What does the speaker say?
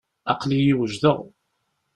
Aql-iyi wejdeɣ.